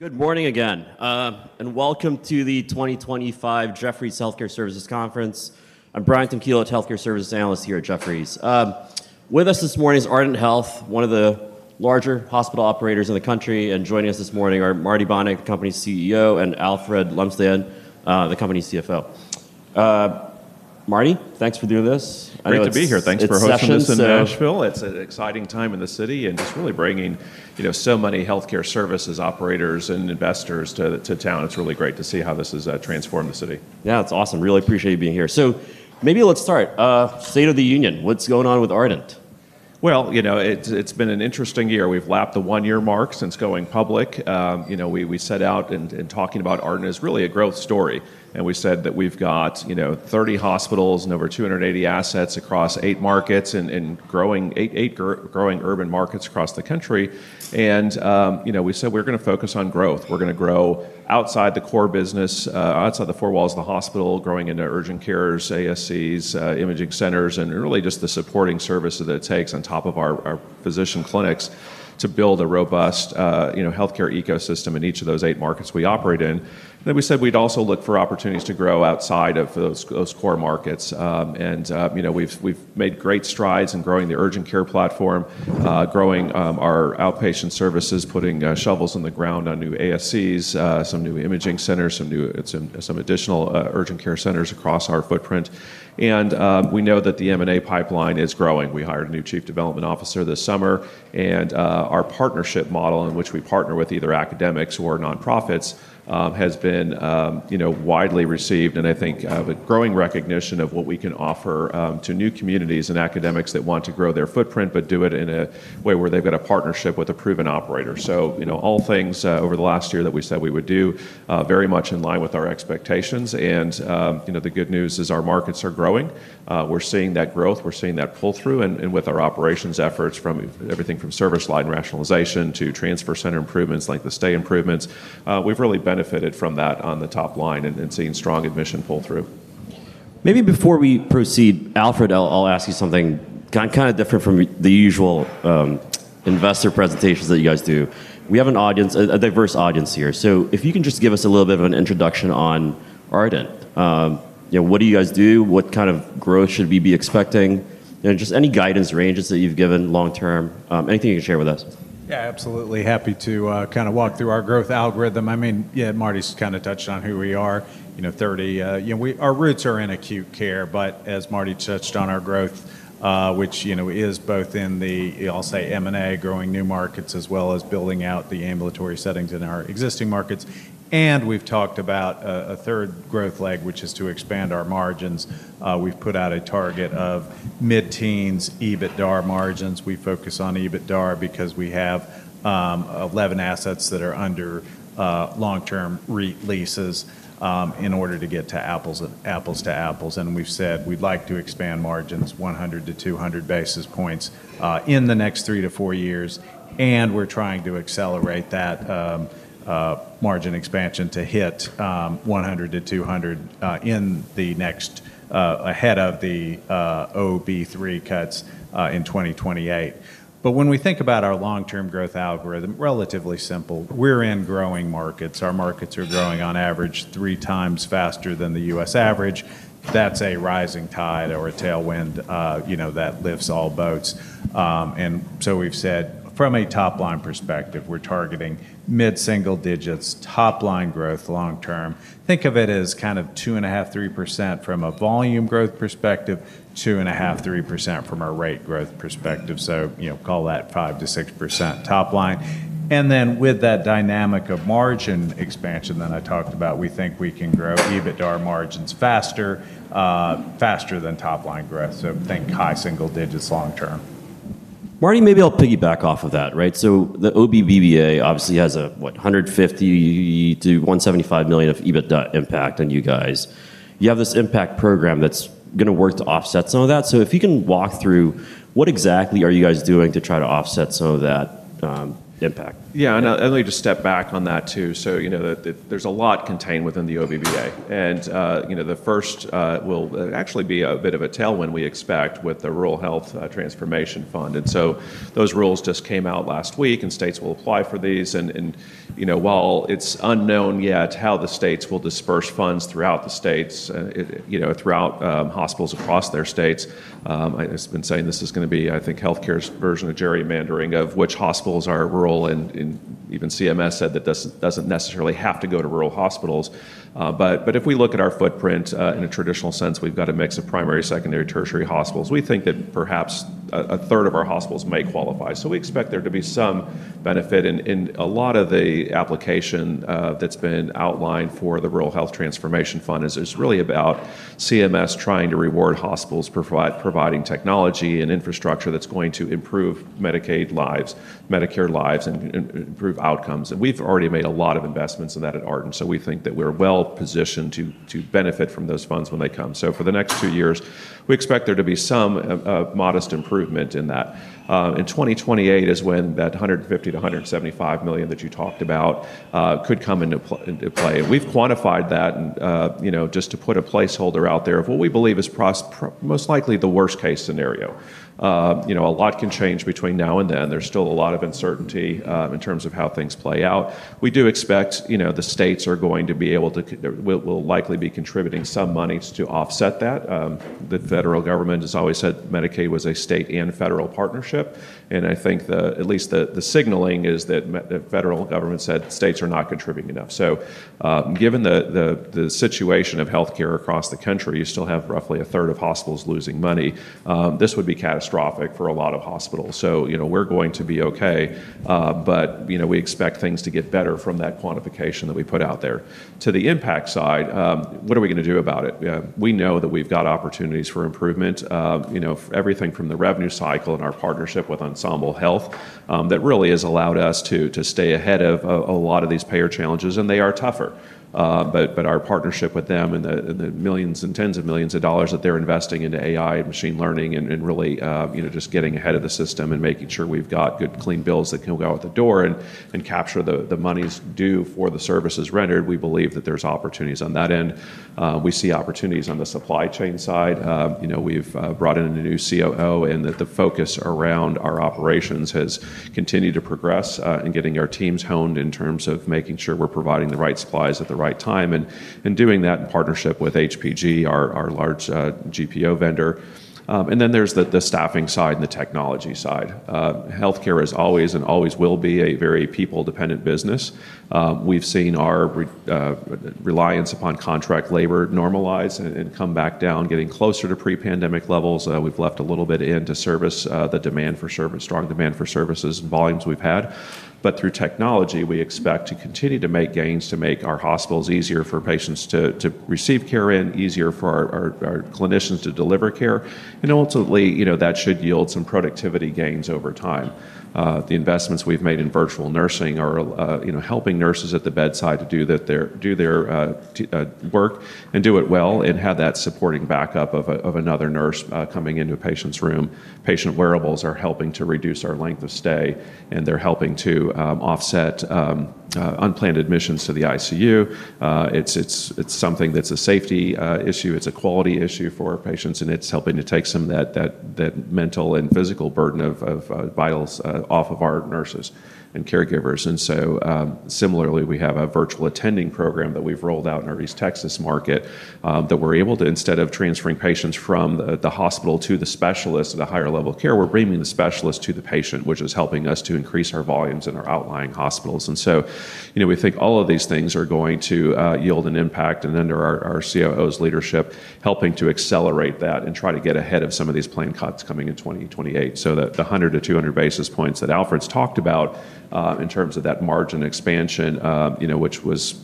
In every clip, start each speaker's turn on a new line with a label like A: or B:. A: Good morning again, and welcome to the 2025 Jefferies Healthcare Services Conference. I'm Brian Tomkiewicz, Healthcare Services Analyst here at Jefferies. With us this morning is Ardent Health, one of the larger hospital operators in the country, and joining us this morning are Marty Bonick, the company's CEO, and Alfred Lumsdaine, the company's CFO. Marty, thanks for doing this.
B: Great to be here. Thanks for hosting this in Nashville. It's an exciting time in the city and just really bringing so many healthcare services operators and investors to town. It's really great to see how this has transformed the city.
A: Yeah, it's awesome. Really appreciate you being here. Maybe let's start. State of the Union, what's going on with Ardent?
B: It's been an interesting year. We've lapped the one-year mark since going public. We set out in talking about Ardent Health as really a growth story. We said that we've got 30 hospitals and over 280 assets across eight markets and growing, eight urban markets across the country. We said we're going to focus on growth. We're going to grow outside the core business, outside the four walls of the hospital, growing into urgent cares, ambulatory surgery centers (ASCs), imaging centers, and really just the supporting services that it takes on top of our physician clinics to build a robust healthcare ecosystem in each of those eight markets we operate in. We said we'd also look for opportunities to grow outside of those core markets. We've made great strides in growing the urgent care platform, growing our outpatient services, putting shovels in the ground on new ASCs, some new imaging centers, some additional urgent care centers across our footprint. We know that the M&A pipeline is growing. We hired a new Chief Development Officer this summer, and our partnership model in which we partner with either academics or nonprofits has been widely received. I think there's growing recognition of what we can offer to new communities and academics that want to grow their footprint, but do it in a way where they've got a partnership with a proven operator. All things over the last year that we said we would do are very much in line with our expectations. The good news is our markets are growing. We're seeing that growth. We're seeing that pull-through, and with our operations efforts from everything from service line rationalization to transfer center improvements like the stay improvements, we've really benefited from that on the top line and seeing strong admission pull-through.
A: Maybe before we proceed, Alfred, I'll ask you something kind of different from the usual investor presentations that you guys do. We have a diverse audience here. If you can just give us a little bit of an introduction on Ardent Health, you know, what do you guys do, what kind of growth should we be expecting, and just any guidance or angles that you've given long-term, anything you can share with us.
C: Yeah, absolutely. Happy to kind of walk through our growth algorithm. I mean, yeah, Marty's kind of touched on who we are. You know, 30, you know, we, our roots are in acute care, but as Marty touched on our growth, which is both in the, I'll say M&A, growing new markets, as well as building out the ambulatory settings in our existing markets. We've talked about a third growth leg, which is to expand our margins. We've put out a target of mid-teens EBITDA margins. We focus on EBITDA because we have 11 assets that are under long-term leases, in order to get to apples to apples. We've said we'd like to expand margins 100 to 200 basis points in the next three to four years. We're trying to accelerate that margin expansion to hit 100 to 200 in the next, ahead of the OBBA cuts in 2028. When we think about our long-term growth algorithm, relatively simple, we're in growing markets. Our markets are growing on average three times faster than the U.S. average. That's a rising tide or a tailwind that lifts all boats. We've said from a top-line perspective, we're targeting mid-single digits top-line growth long-term. Think of it as kind of 2.5% to 3% from a volume growth perspective, 2.5% to 3% from a rate growth perspective. Call that 5% to 6% top-line. With that dynamic of margin expansion that I talked about, we think we can grow EBITDA margins faster, faster than top-line growth. Think high single digits long-term.
A: Marty, maybe I'll piggyback off of that, right? The OBBA obviously has a $150 to $175 million EBITDA impact on you guys. You have this impact program that's going to work to offset some of that. If you can walk through what exactly are you guys doing to try to offset some of that impact.
B: Yeah, and I'll just step back on that too. There's a lot contained within the OBBA. The first will actually be a bit of a tailwind we expect with the Rural Health Transformation Fund. Those rules just came out last week, and states will apply for these. While it's unknown yet how the states will disperse funds throughout the states, throughout hospitals across their states, I've been saying this is going to be, I think, healthcare's version of gerrymandering of which hospitals are rural. Even CMS said that doesn't necessarily have to go to rural hospitals. If we look at our footprint in a traditional sense, we've got a mix of primary, secondary, tertiary hospitals. We think that perhaps a third of our hospitals may qualify. We expect there to be some benefit. A lot of the application that's been outlined for the Rural Health Transformation Fund is really about CMS trying to reward hospitals, providing technology and infrastructure that's going to improve Medicaid lives, Medicare lives, and improve outcomes. We've already made a lot of investments in that at Ardent Health. We think that we're well positioned to benefit from those funds when they come. For the next two years, we expect there to be some modest improvement in that. In 2028 is when that $150 to $175 million that you talked about could come into play. We've quantified that, and just to put a placeholder out there of what we believe is most likely the worst-case scenario. A lot can change between now and then. There's still a lot of uncertainty in terms of how things play out. We do expect the states are going to be able to, will likely be contributing some money to offset that. The federal government has always said Medicaid was a state and federal partnership. I think at least the signaling is that the federal government said states are not contributing enough. Given the situation of healthcare across the country, you still have roughly a third of hospitals losing money. This would be catastrophic for a lot of hospitals. We're going to be okay. We expect things to get better from that quantification that we put out there. To the impact side, what are we going to do about it? We know that we've got opportunities for improvement. You know, everything from the revenue cycle and our partnership with Ensemble Health Partners that really has allowed us to stay ahead of a lot of these payer challenges, and they are tougher. Our partnership with them and the millions and tens of millions of dollars that they're investing into AI and machine learning and really, you know, just getting ahead of the system and making sure we've got good, clean bills that can go out the door and capture the money due for the services rendered. We believe that there's opportunities on that end. We see opportunities on the supply chain side. We've brought in a new COO, and the focus around our operations has continued to progress in getting our teams honed in terms of making sure we're providing the right supplies at the right time and doing that in partnership with HPG, our large GPO vendor. There's the staffing side and the technology side. Healthcare is always and always will be a very people-dependent business. We've seen our reliance upon contract labor normalize and come back down, getting closer to pre-pandemic levels. We've left a little bit in to service the demand for service, strong demand for services and volumes we've had. Through technology, we expect to continue to make gains to make our hospitals easier for patients to receive care in, easier for our clinicians to deliver care. Ultimately, that should yield some productivity gains over time. The investments we've made in virtual nursing are helping nurses at the bedside to do their work and do it well and have that supporting backup of another nurse coming into a patient's room. Patient wearables are helping to reduce our length of stay, and they're helping to offset unplanned admissions to the ICU. It's something that's a safety issue. It's a quality issue for patients, and it's helping to take some of that mental and physical burden of vitals off of our nurses and caregivers. Similarly, we have a virtual attending program that we've rolled out in our East Texas market that we're able to, instead of transferring patients from the hospital to the specialist at a higher level of care, we're bringing the specialist to the patient, which is helping us to increase our volumes in our outlying hospitals. We think all of these things are going to yield an impact, and under our COO's leadership, helping to accelerate that and try to get ahead of some of these planned cuts coming in 2028. The 100 to 200 basis points that Alfred's talked about in terms of that margin expansion, which was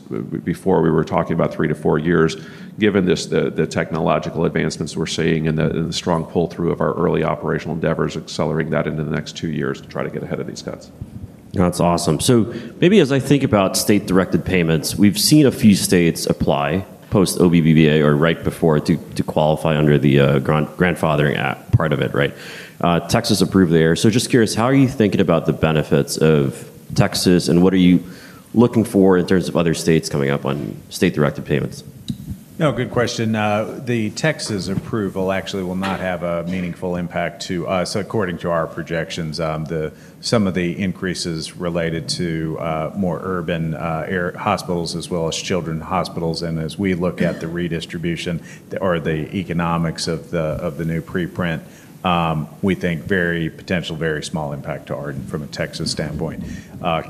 B: before we were talking about three to four years, given the technological advancements we're seeing and the strong pull-through of our early operational endeavors, accelerating that into the next two years to try to get ahead of these cuts.
A: That's awesome. Maybe as I think about state-directed payments, we've seen a few states apply post-OBBA or right before to qualify under the grandfathering act part of it, right? Texas approved there. Just curious, how are you thinking about the benefits of Texas and what are you looking for in terms of other states coming up on state-directed payments?
C: Yeah, good question. The Texas approval actually will not have a meaningful impact to us, according to our projections. Some of the increases related to more urban hospitals as well as children's hospitals. As we look at the redistribution or the economics of the new preprint, we think very potential, very small impact to Ardent from a Texas standpoint.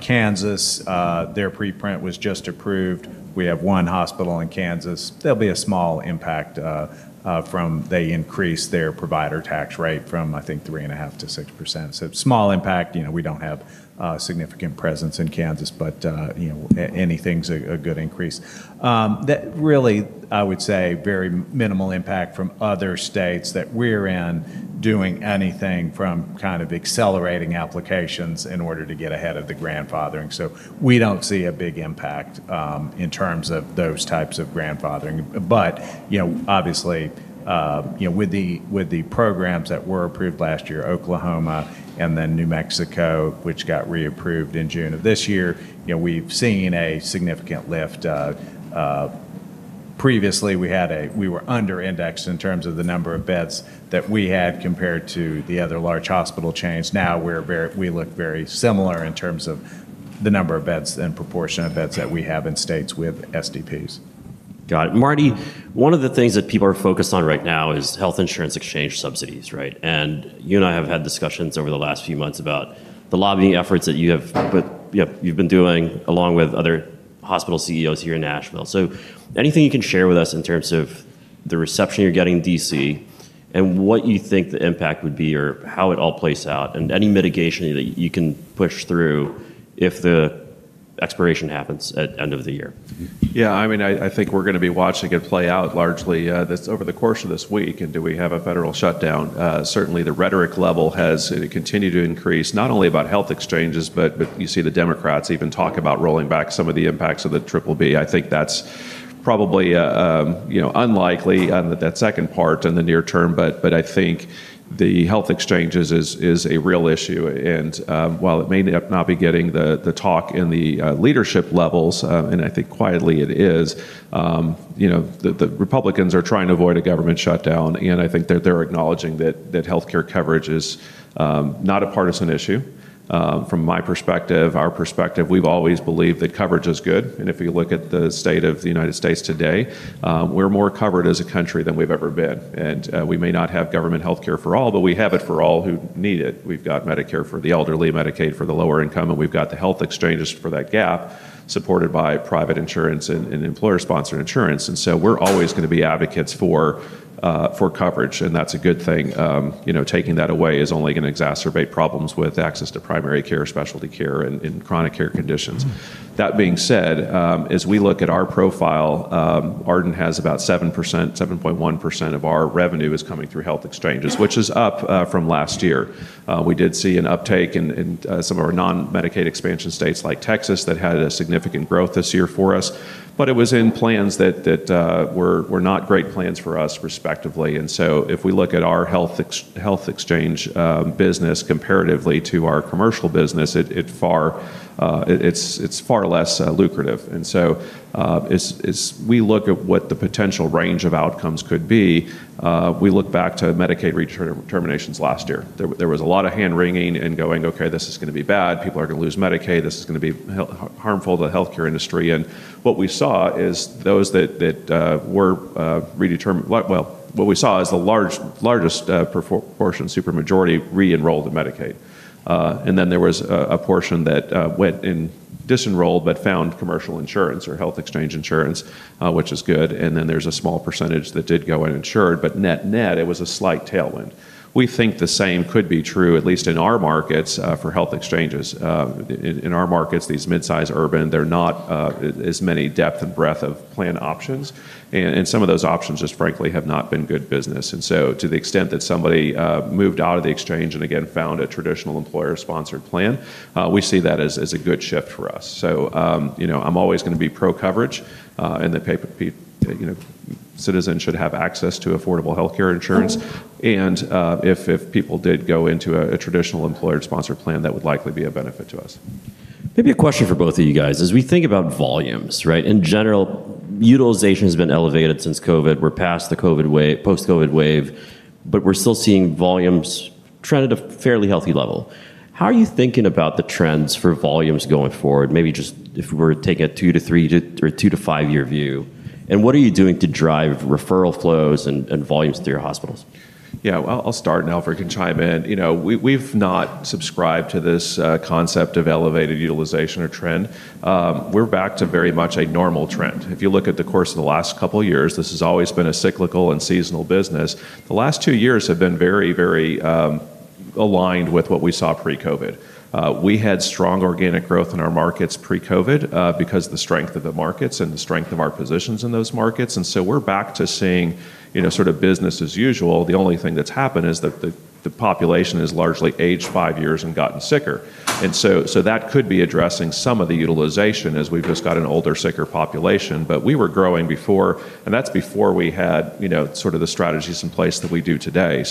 C: Kansas, their preprint was just approved. We have one hospital in Kansas. There'll be a small impact from they increase their provider tax rate from, I think, 3.5% to 6%. Small impact. We don't have a significant presence in Kansas, but anything's a good increase. That really, I would say, very minimal impact from other states that we're in doing anything from kind of accelerating applications in order to get ahead of the grandfathering. We don't see a big impact in terms of those types of grandfathering. Obviously, with the programs that were approved last year, Oklahoma and then New Mexico, which got reapproved in June of this year, we've seen a significant lift. Previously, we were under-indexed in terms of the number of beds that we had compared to the other large hospital chains. Now we look very similar in terms of the number of beds and proportion of beds that we have in states with SDPs.
A: Got it. Marty, one of the things that people are focused on right now is health insurance exchange subsidies, right? You and I have had discussions over the last few months about the lobbying efforts that you have, that you've been doing along with other hospital CEOs here in Nashville. Is there anything you can share with us in terms of the reception you're getting in D.C. and what you think the impact would be or how it all plays out and any mitigation that you can push through if the expiration happens at the end of the year?
B: Yeah, I mean, I think we're going to be watching it play out largely over the course of this week. Do we have a federal shutdown? Certainly, the rhetoric level has continued to increase, not only about health exchanges, but you see the Democrats even talk about rolling back some of the impacts of the triple B. I think that's probably, you know, unlikely on that second part in the near term. I think the health exchanges is a real issue. While it may not be getting the talk in the leadership levels, I think quietly it is. You know, the Republicans are trying to avoid a government shutdown. I think they're acknowledging that healthcare coverage is not a partisan issue. From my perspective, our perspective, we've always believed that coverage is good. If you look at the state of the United States today, we're more covered as a country than we've ever been. We may not have government healthcare for all, but we have it for all who need it. We've got Medicare for the elderly, Medicaid for the lower income, and we've got the health exchanges for that gap supported by private insurance and employer-sponsored insurance. We're always going to be advocates for coverage, and that's a good thing. You know, taking that away is only going to exacerbate problems with access to primary care, specialty care, and chronic care conditions. That being said, as we look at our profile, Ardent has about 7%, 7.1% of our revenue coming through health exchanges, which is up from last year. We did see an uptake in some of our non-Medicaid expansion states like Texas that had significant growth this year for us, but it was in plans that were not great plans for us, respectively. If we look at our health exchange business comparatively to our commercial business, it's far less lucrative. As we look at what the potential range of outcomes could be, we look back to Medicaid redeterminations last year. There was a lot of hand wringing and going, "Okay, this is going to be bad. People are going to lose Medicaid. This is going to be harmful to the healthcare industry." What we saw is those that were redetermined, the largest portion, super majority, re-enrolled in Medicaid. Then there was a portion that disenrolled but found commercial insurance or health exchange insurance, which is good. There's a small percentage that did go uninsured, but net-net, it was a slight tailwind. We think the same could be true, at least in our markets for health exchanges. In our markets, these mid-size urban, there are not as many depth and breadth of plan options. Some of those options, just frankly, have not been good business. To the extent that somebody moved out of the exchange and again found a traditional employer-sponsored plan, we see that as a good shift for us. I'm always going to be pro-coverage and the citizens should have access to affordable healthcare insurance. If people did go into a traditional employer-sponsored plan, that would likely be a benefit to us.
A: Maybe a question for both of you guys. As we think about volumes, right, in general, utilization has been elevated since COVID. We're past the COVID wave, post-COVID wave, but we're still seeing volumes trend at a fairly healthy level. How are you thinking about the trends for volumes going forward? Maybe just if we're taking a two to three or two to five-year view, and what are you doing to drive referral flows and volumes to your hospitals?
B: Yeah, I'll start and Alfred can chime in. We've not subscribed to this concept of elevated utilization or trend. We're back to very much a normal trend. If you look at the course of the last couple of years, this has always been a cyclical and seasonal business. The last two years have been very, very aligned with what we saw pre-COVID. We had strong organic growth in our markets pre-COVID because of the strength of the markets and the strength of our positions in those markets. We're back to seeing, you know, sort of business as usual. The only thing that's happened is that the population has largely aged five years and gotten sicker. That could be addressing some of the utilization as we've just got an older, sicker population. We were growing before, and that's before we had, you know, sort of the strategies in place that we do today.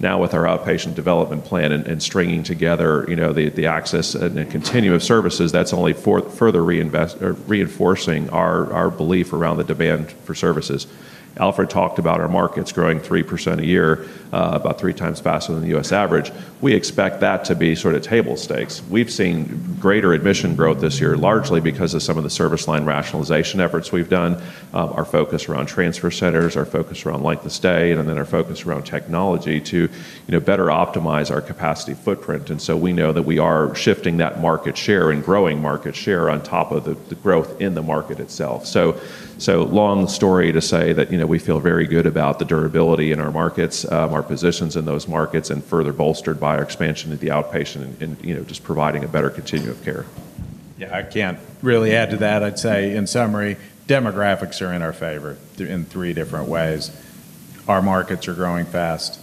B: Now with our outpatient development plan and stringing together, you know, the access and the continuum of services, that's only further reinforcing our belief around the demand for services. Alfred talked about our markets growing 3% a year, about three times faster than the U.S. average. We expect that to be sort of table stakes. We've seen greater admission growth this year, largely because of some of the service line rationalization efforts we've done, our focus around transfer centers, our focus around length of stay, and then our focus around technology to better optimize our capacity footprint. We know that we are shifting that market share and growing market share on top of the growth in the market itself. Long story to say that, you know, we feel very good about the durability in our markets, our positions in those markets, and further bolstered by our expansion to the outpatient and, you know, just providing a better continuum of care.
C: Yeah. I can't really add to that. I'd say in summary, demographics are in our favor in three different ways. Our markets are growing fast.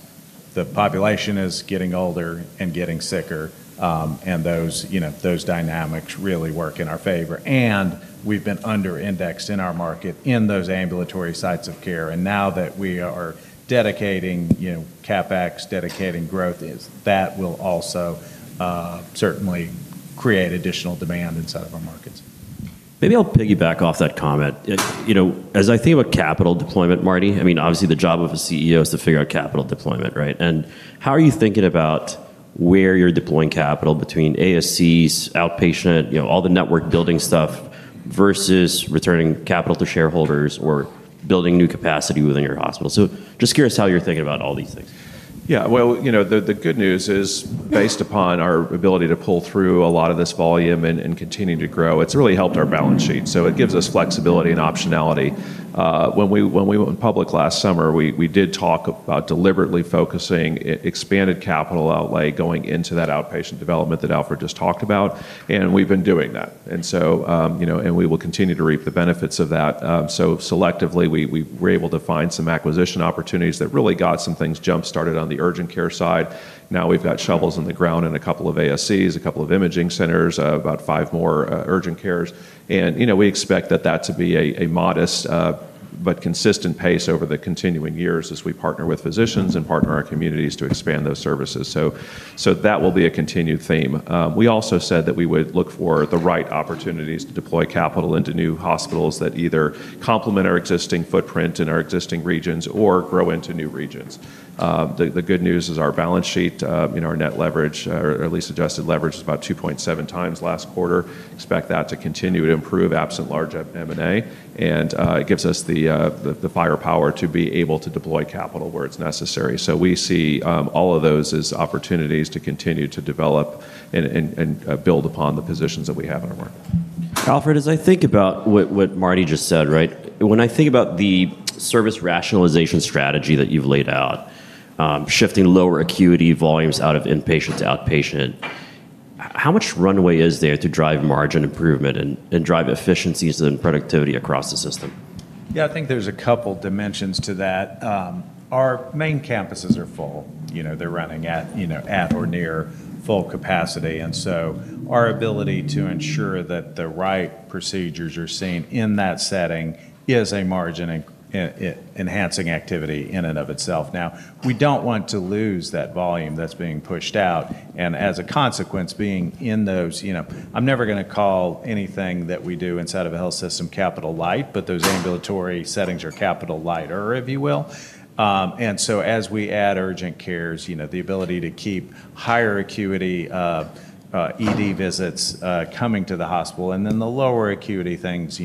C: The population is getting older and getting sicker. Those dynamics really work in our favor. We've been under-indexed in our market in those ambulatory sites of care. Now that we are dedicating CapEx, dedicating growth, that will also certainly create additional demand inside of our markets.
A: Maybe I'll piggyback off that comment. As I think about capital deployment, Marty, I mean, obviously the job of a CEO is to figure out capital deployment, right? How are you thinking about where you're deploying capital between ASCs, outpatient, all the network building stuff versus returning capital to shareholders or building new capacity within your hospital? Just curious how you're thinking about all these things.
B: Yeah, the good news is based upon our ability to pull through a lot of this volume and continue to grow, it's really helped our balance sheet. It gives us flexibility and optionality. When we went public last summer, we did talk about deliberately focusing expanded capital outlay going into that outpatient development that Alfred just talked about. We've been doing that, and we will continue to reap the benefits of that. Selectively, we were able to find some acquisition opportunities that really got some things jump-started on the urgent care side. Now we've got shovels in the ground and a couple of ambulatory surgery centers, a couple of imaging centers, about five more urgent cares. We expect that to be a modest but consistent pace over the continuing years as we partner with physicians and partner with our communities to expand those services. That will be a continued theme. We also said that we would look for the right opportunities to deploy capital into new hospitals that either complement our existing footprint in our existing regions or grow into new regions. The good news is our balance sheet, our net leverage, or at least adjusted leverage, is about 2.7 times last quarter. Expect that to continue to improve absent large M&A. It gives us the firepower to be able to deploy capital where it's necessary. We see all of those as opportunities to continue to develop and build upon the positions that we have in our market.
A: Alfred, as I think about what Marty just said, right, when I think about the service line rationalization strategy that you've laid out, shifting lower acuity volumes out of inpatient to outpatient, how much runway is there to drive margin improvement and drive efficiencies and productivity across the system?
C: Yeah, I think there's a couple dimensions to that. Our main campuses are full. You know, they're running at, you know, at or near full capacity, and our ability to ensure that the right procedures are seen in that setting is a margin-enhancing activity in and of itself. We don't want to lose that volume that's being pushed out. As a consequence, being in those, you know, I'm never going to call anything that we do inside of a health system capital light, but those ambulatory settings are capital light, or if you will. As we add urgent cares, the ability to keep higher acuity ED visits coming to the hospital, and then the lower acuity things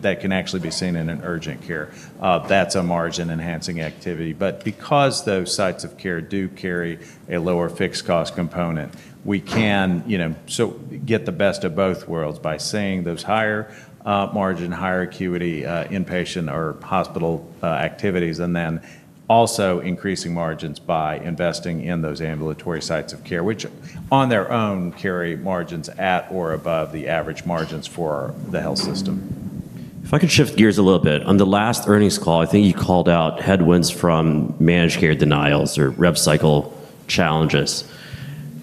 C: that can actually be seen in an urgent care, that's a margin-enhancing activity. Because those sites of care do carry a lower fixed cost component, we can get the best of both worlds by seeing those higher margin, higher acuity inpatient or hospital activities, and also increasing margins by investing in those ambulatory sites of care, which on their own carry margins at or above the average margins for the health system.
A: If I could shift gears a little bit, on the last earnings call, I think you called out headwinds from managed care denials or rev cycle challenges.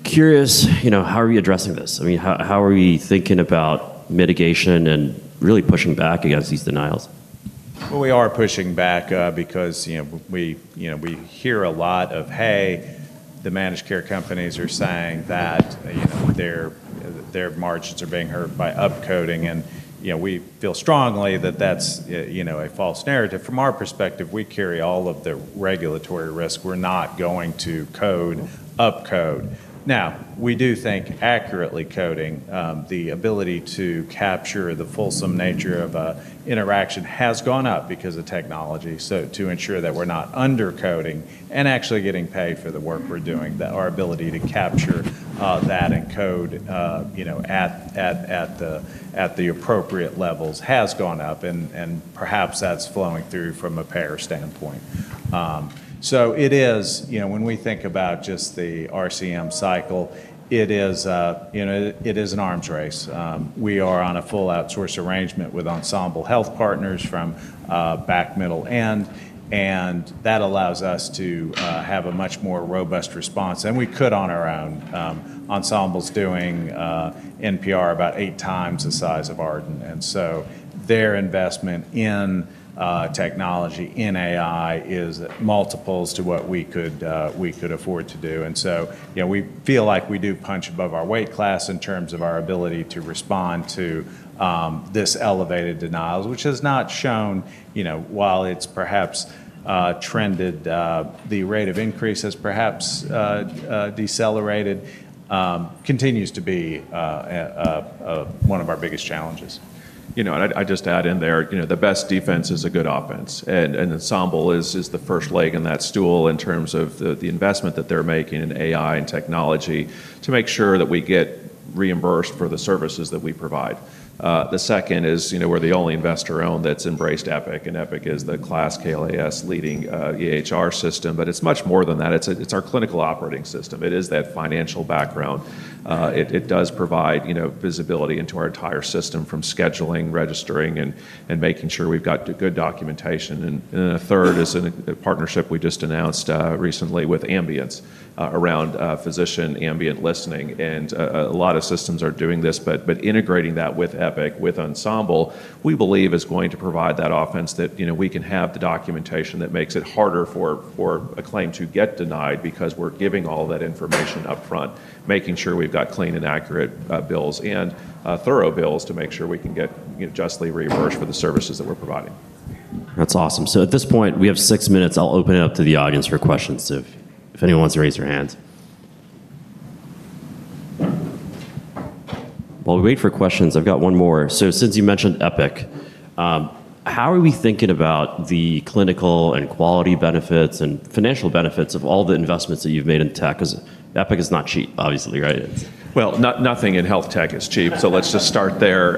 A: Curious, you know, how are we addressing this? I mean, how are we thinking about mitigation and really pushing back against these denials?
C: We are pushing back because, you know, we hear a lot of, hey, the managed care companies are saying that, you know, their margins are being hurt by upcoding. We feel strongly that that's, you know, a false narrative. From our perspective, we carry all of the regulatory risk. We're not going to code upcode. Now, we do think accurately coding, the ability to capture the fulsome nature of an interaction has gone up because of technology. To ensure that we're not undercoding and actually getting paid for the work we're doing, our ability to capture that and code, you know, at the appropriate levels has gone up. Perhaps that's flowing through from a payer standpoint. It is, you know, when we think about just the RCM cycle, it is, you know, it is an arms race. We are on a full outsource arrangement with Ensemble Health Partners from back, middle, and end. That allows us to have a much more robust response than we could on our own. Ensemble's doing NPR about eight times the size of Ardent. Their investment in technology, in AI is multiples to what we could afford to do. We feel like we do punch above our weight class in terms of our ability to respond to this elevated denial, which has not shown, you know, while it's perhaps trended, the rate of increase has perhaps decelerated, continues to be one of our biggest challenges.
B: I just add in there, the best defense is a good offense. Ensemble is the first leg in that stool in terms of the investment that they're making in AI and technology to make sure that we get reimbursed for the services that we provide. The second is, we're the only investor-owned that's embraced Epic. Epic is the KLAS leading EHR system. It's much more than that. It's our clinical operating system. It is that financial background. It does provide visibility into our entire system from scheduling, registering, and making sure we've got good documentation. A third is a partnership we just announced recently with Ambience around physician ambient listening. A lot of systems are doing this, but integrating that with Epic, with Ensemble, we believe is going to provide that offense that we can have the documentation that makes it harder for a claim to get denied because we're giving all that information up front, making sure we've got clean and accurate bills and thorough bills to make sure we can get justly reimbursed for the services that we're providing.
A: That's awesome. At this point, we have six minutes. I'll open it up to the audience for questions if anyone wants to raise their hands. While we wait for questions, I've got one more. Since you mentioned Epic, how are we thinking about the clinical and quality benefits and financial benefits of all the investments that you've made in tech? Epic is not cheap, obviously, right?
B: Nothing in health tech is cheap. Let's just start there.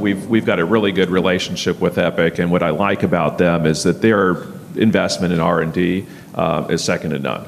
B: We've got a really good relationship with Epic. What I like about them is that their investment in R&D is second to none.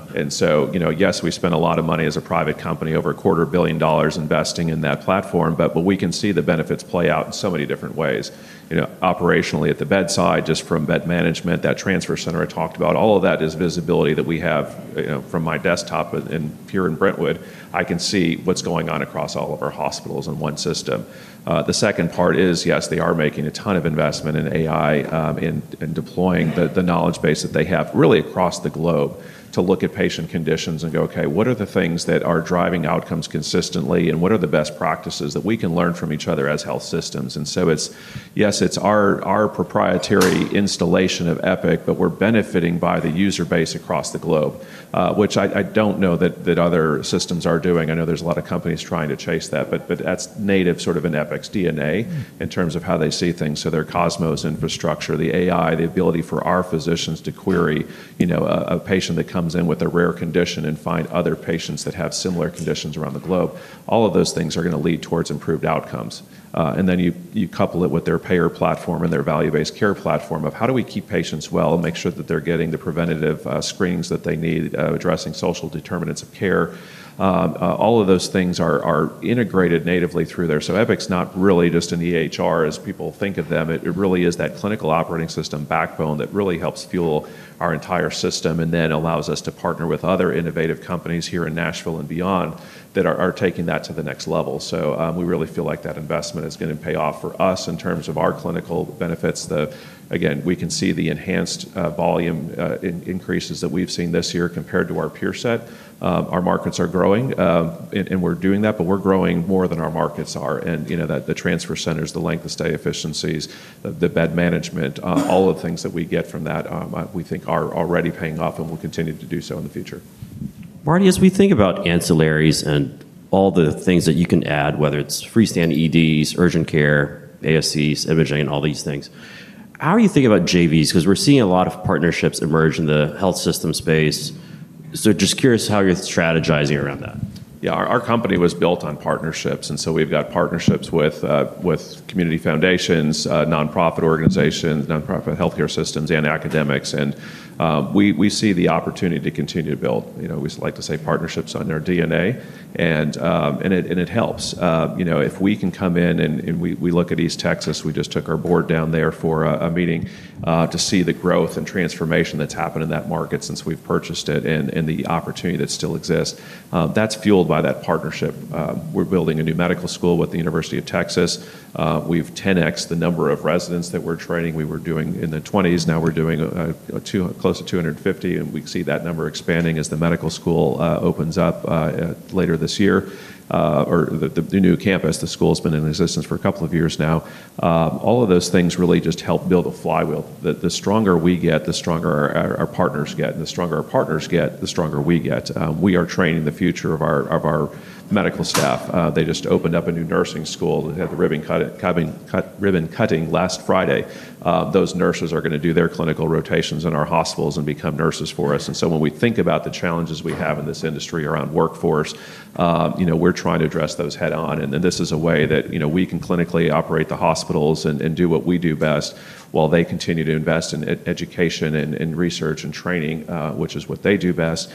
B: Yes, we spent a lot of money as a private company, over a quarter billion dollars investing in that platform. We can see the benefits play out in so many different ways, operationally at the bedside, just from bed management, that transfer center I talked about. All of that is visibility that we have from my desktop in here in Brentwood. I can see what's going on across all of our hospitals in one system. The second part is, yes, they are making a ton of investment in AI and deploying the knowledge base that they have really across the globe to look at patient conditions and go, okay, what are the things that are driving outcomes consistently and what are the best practices that we can learn from each other as health systems? Yes, it's our proprietary installation of Epic, but we're benefiting by the user base across the globe, which I don't know that other systems are doing. I know there's a lot of companies trying to chase that, but that's native sort of in Epic's DNA in terms of how they see things. Their Cosmos infrastructure, the AI, the ability for our physicians to query a patient that comes in with a rare condition and find other patients that have similar conditions around the globe, all of those things are going to lead towards improved outcomes. You couple it with their payer platform and their value-based care platform of how do we keep patients well and make sure that they're getting the preventative screenings that they need, addressing social determinants of care. All of those things are integrated natively through there. Epic's not really just an EHR as people think of them. It really is that clinical operating system backbone that really helps fuel our entire system and then allows us to partner with other innovative companies here in Nashville and beyond that are taking that to the next level. We really feel like that investment is going to pay off for us in terms of our clinical benefits. We can see the enhanced volume increases that we've seen this year compared to our peer set. Our markets are growing and we're doing that, but we're growing more than our markets are. The transfer centers, the length of stay efficiencies, the bed management, all of the things that we get from that, we think are already paying off and will continue to do so in the future.
A: Marty, as we think about ancillaries and all the things that you can add, whether it's freestanding EDs, urgent care, ASCs, imaging, all these things, how are you thinking about JVs? We're seeing a lot of partnerships emerge in the health system space. Just curious how you're strategizing around that.
B: Yeah, our company was built on partnerships. We've got partnerships with community foundations, nonprofit organizations, nonprofit healthcare systems, and academics. We see the opportunity to continue to build. We like to say partnerships are in our DNA. It helps. If we can come in and we look at East Texas, we just took our board down there for a meeting to see the growth and transformation that's happened in that market since we've purchased it and the opportunity that still exists. That's fueled by that partnership. We're building a new medical school with the University of Texas. We've 10X'd the number of residents that we're training. We were doing in the 20s. Now we're doing close to 250. We see that number expanding as the medical school opens up later this year, or the new campus. The school's been in existence for a couple of years now. All of those things really just help build a flywheel. The stronger we get, the stronger our partners get. The stronger our partners get, the stronger we get. We are training the future of our medical staff. They just opened up a new nursing school. They had the ribbon cutting last Friday. Those nurses are going to do their clinical rotations in our hospitals and become nurses for us. When we think about the challenges we have in this industry around workforce, we're trying to address those head-on. This is a way that we can clinically operate the hospitals and do what we do best while they continue to invest in education and research and training, which is what they do best.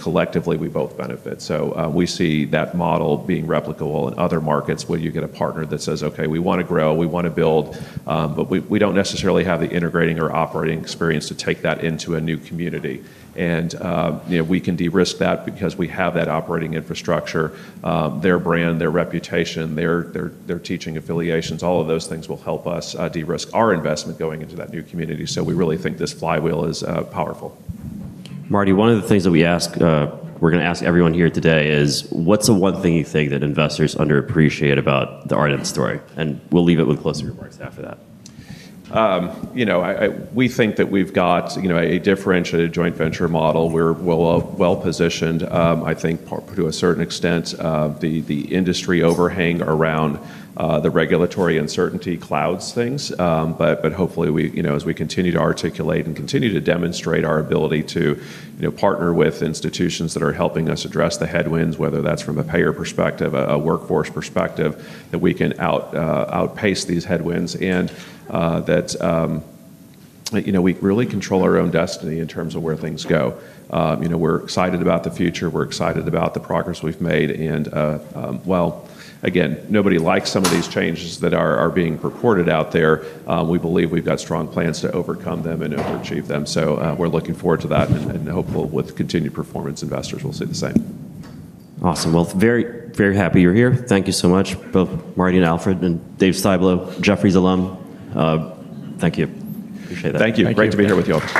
B: Collectively, we both benefit. We see that model being replicable in other markets where you get a partner that says, "Okay, we want to grow, we want to build, but we don't necessarily have the integrating or operating experience to take that into a new community." We can de-risk that because we have that operating infrastructure, their brand, their reputation, their teaching affiliations. All of those things will help us de-risk our investment going into that new community. We really think this flywheel is powerful.
A: Marty, one of the things that we ask, we're going to ask everyone here today is, what's the one thing you think that investors underappreciate about the Ardent story? We'll leave it with closer remarks after that.
B: We think that we've got a differentiated joint venture model. We're well positioned. I think to a certain extent, the industry overhang around the regulatory uncertainty clouds things. Hopefully, as we continue to articulate and continue to demonstrate our ability to partner with institutions that are helping us address the headwinds, whether that's from a payer perspective or a workforce perspective, we can outpace these headwinds and really control our own destiny in terms of where things go. We're excited about the future. We're excited about the progress we've made. Nobody likes some of these changes that are being reported out there. We believe we've got strong plans to overcome them and to achieve them. We're looking forward to that and hopeful with continued performance, investors will see the same.
A: Awesome. Very, very happy you're here. Thank you so much, both Marty and Alfred and Dave Styblo, Jefferies alum. Thank you.
C: Appreciate that.
B: Thank you. Great to be here with you all.